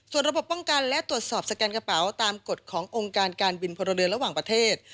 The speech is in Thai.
ส่วนระบบป้องกันและตรวจสอบสแกนกระเป๋าตามกฎขององค์การการบินพลเรือนระหว่างประเทศ